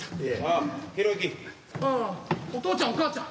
ああお父ちゃんお母ちゃん。